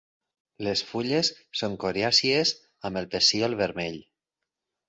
Les fulles són coriàcies amb el pecíol vermell.